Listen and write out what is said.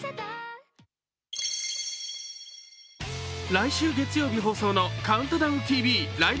来週月曜日放送の「ＣＤＴＶライブ！